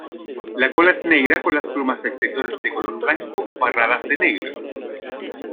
La cola es negra con las plumas exteriores de color blanco barradas de negro.